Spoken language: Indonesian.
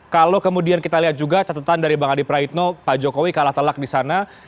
kalau kemudian kita lihat juga catatan dari bang adi praitno pak jokowi kalah telak di sana